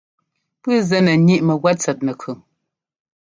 Puu zɛ́ nɛ ŋíʼ mɛ́gúɛ́t tsɛt nɛkʉn.